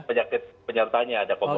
penyakit penyertanya ada komorbidnya